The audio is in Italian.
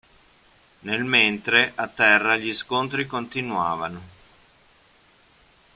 Nel mentre, a terra gli scontri continuavano.